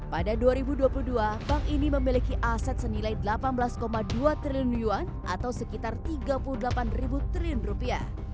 pada dua ribu dua puluh dua bank ini memiliki aset senilai delapan belas dua triliun yuan atau sekitar tiga puluh delapan triliun rupiah